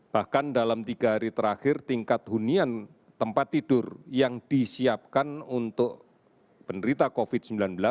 bahkan dalam tiga hari terakhir tingkat hunian tempat tidur yang disiapkan untuk penderita covid sembilan belas